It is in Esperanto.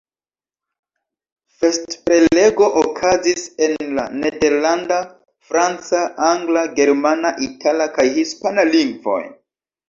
Festprelego okazis en la nederlanda, franca, angla, germana, itala kaj hispana lingvoj.